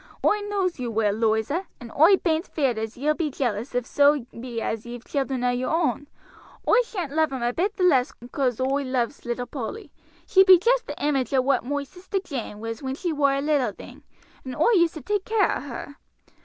"Oi knows you will, Loiza, and oi bain't feared as ye'll be jealous if so be as ye've children o' your own. Oi shan't love 'em a bit the less coss oi loves little Polly. She be just the image o' what moi sister Jane was when she war a little thing and oi used to take care o' her.